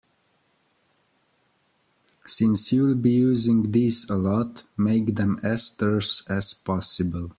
Since you'll be using these a lot, make them as terse as possible.